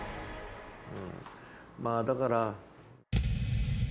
まあだから。